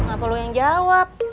apa lo yang jawab